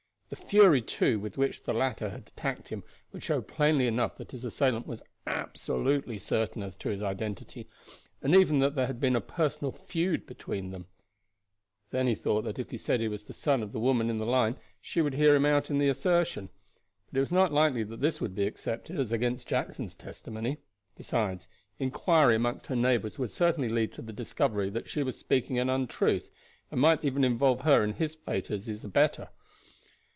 The fury, too, with which the latter had attacked him would show plainly enough that his assailant was absolutely certain as to his identity, and even that there had been a personal feud between them. Then he thought that if he said that he was the son of the woman in the line she would hear him out in the assertion. But it was not likely that this would be accepted as against Jackson's testimony; besides, inquiry among her neighbors would certainly lead to the discovery that she was speaking an untruth, and might even involve her in his fate as his abettor.